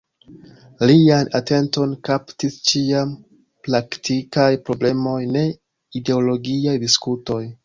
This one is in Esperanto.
Lian atenton kaptis ĉiam praktikaj problemoj, ne ideologiaj diskutoj.